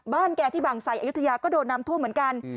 แกที่บางไสอายุทยาก็โดนน้ำท่วมเหมือนกัน